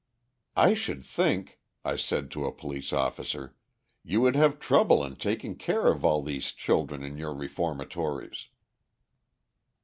"I should think," I said to a police officer, "you would have trouble in taking care of all these children in your reformatories."